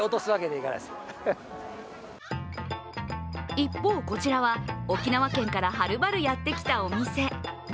一方、こちらは沖縄県からはるばるやってきたお店。